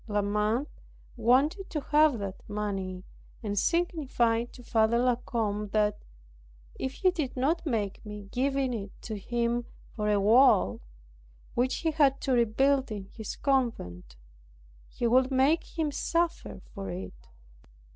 La Mothe wanted to have that money, and signified to La Combe that, if he did not make me give it to him for a wall, which he had to rebuild in his convent, he would make him suffer for it.